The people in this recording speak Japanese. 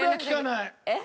えっ？